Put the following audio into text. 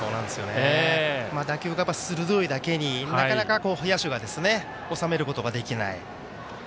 打球が鋭いだけになかなか野手が収めることができない。